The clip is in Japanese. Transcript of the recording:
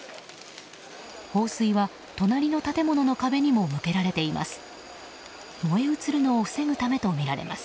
放水は隣の建物の壁にも向けられています。